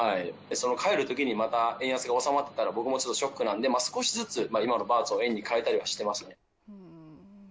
その帰るときにまた、円安が収まってたら、僕もちょっとショックなんで、少しずつ、今のバーツを円に替えたりはしてますね。